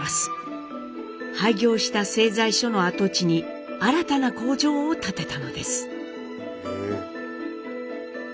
廃業した製材所の跡地に新たな工場を建てたのです。